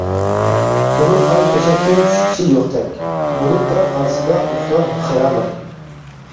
تولۇن ئاي تۆشەكتىن چۈشكۈسى يوقتەك، بۇلۇتلار ئارىسىدا ئۇخلار خىرامان.